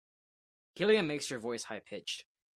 Helium makes your voice high pitched.